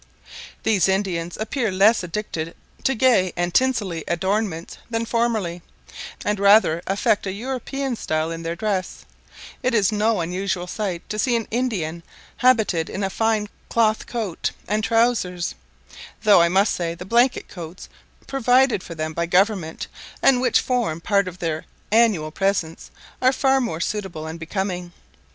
These Indians appear less addicted to gay and tinselly adornments than formerly, and rather affect a European style in their dress; it is no unusual sight to see an Indian habited in a fine cloth coat and trousers, though I must say the blanket coats provided for them by Government, and which form part of their annual presents, are far more suitable and becoming.